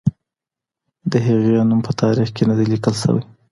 د هغې نوم په تاریخ کې نه دی لیکل شوی.